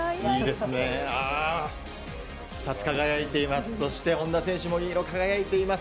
２つ輝いています。